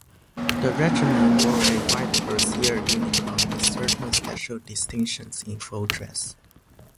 The Regiment wore a white cuirassier uniform with certain special distinctions in full dress.